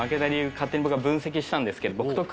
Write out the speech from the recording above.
勝手に僕が分析したんですけど